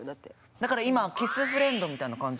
だから今キスフレンドみたいな感じ？